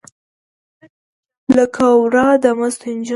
لکه ورا د مستو نجونو